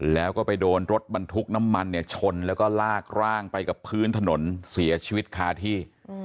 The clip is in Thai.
แล้วก็ไปโดนรถบรรทุกน้ำมันเนี่ยชนแล้วก็ลากร่างไปกับพื้นถนนเสียชีวิตคาที่